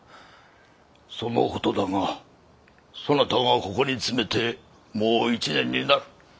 その事だがそなたがここに詰めてもう１年になる。